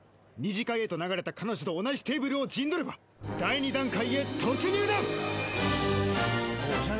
２次会へと流れた彼女と同じテーブルを陣取れば第２段階へ突入だ！